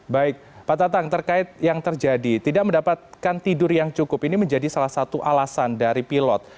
baik pak tatang terkait yang terjadi tidak mendapatkan tidur yang cukup ini menjadi salah satu alasan dari pilot